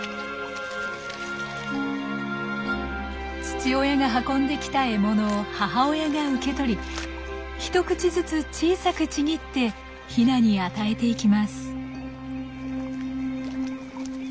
父親が運んできた獲物を母親が受け取り一口ずつ小さくちぎってヒナに与えていきます。